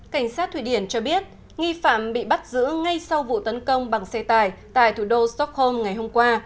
cảnh sát thụy điển cho biết nghi phạm bị bắt giữ ngay sau vụ tấn công bằng xe tải tại thủ đô stockholm ngày hôm qua